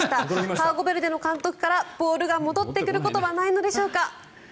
カーボベルデの監督からボールが戻ってくることはないんでしょうか。